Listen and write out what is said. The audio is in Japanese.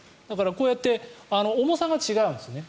こうやって重さが違うんですね。